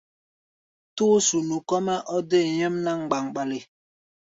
Tóó-sunu kɔ́-mɛ́ ɔ́ dée nyɛ́mná mgbaŋɓale.